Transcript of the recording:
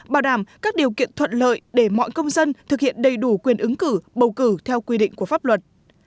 bảo đảm các điều kiện thuận lợi để mọi công dân thực hiện đầy đủ quyền ứng cử bầu cử theo quy định của pháp luật